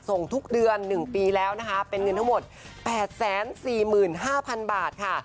ส่งทุกเดือน๑ปีแล้วนะคะเป็นเงินทั้งหมด๘๔๕๐๐๐บาทค่ะ